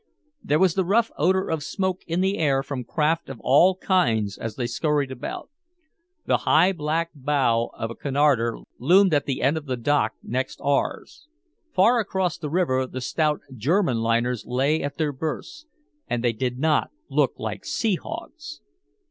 There was the rough odor of smoke in the air from craft of all kinds as they skurried about. The high black bow of a Cunarder loomed at the end of the dock next ours. Far across the river the stout German liners lay at their berths and they did not look like sea hogs.